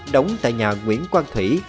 đóng tại nhà nguyễn quang thủy